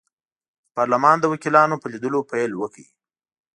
د پارلمان د وکیلانو په لیدلو پیل وکړ.